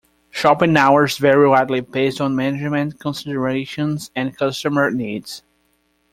Shopping hours vary widely based on management considerations and customer needs.